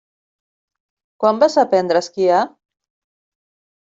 Quan vas aprendre a esquiar?